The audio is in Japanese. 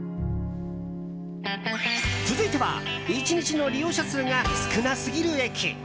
続いては１日の利用者数が少なすぎる駅。